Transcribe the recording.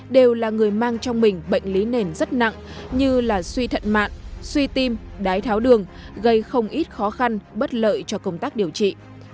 đều là người mang trong mình bệnh lý nền rất nặng như là suy thận mạn suy tim đái tháo đường gây không ít khó khăn bất lợi cho công tác điều trị